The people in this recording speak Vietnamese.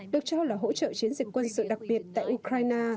được cho là hỗ trợ chiến dịch quân sự đặc biệt tại ukraine